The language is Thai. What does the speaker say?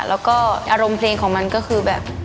แล้วก็อารมณ์เพลงของมันก็คือแบบ